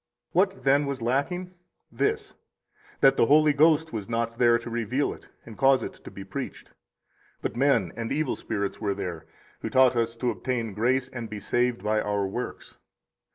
What, then, was lacking? 44 This, that the Holy Ghost was not there to reveal it and cause it to be preached; but men and evil spirits were there, who taught us to obtain grace and be saved by our works.